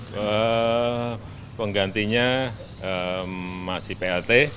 pertimbangannya apa pak